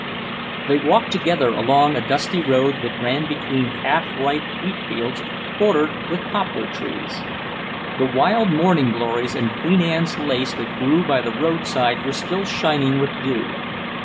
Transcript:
They walked together along a dusty road that ran between half ripe wheat fields, bordered with poplar trees. The wild morning glories and Queen Anne's lace that grew by the road side were still shining with dew.